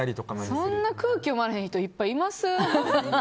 そんな空気読まれへん人いっぱいいます？